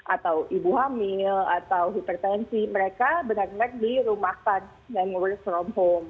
atau ibu hamil atau hipertensi mereka benar benar dirumahkan dan work from home